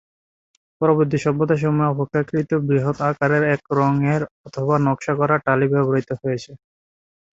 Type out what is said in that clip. পরবর্তী সভ্যতা সমূহে অপেক্ষাকৃত বৃহৎ আকারের এক রঙের অথবা নকশা করা টালি ব্যবহারিত হয়েছে।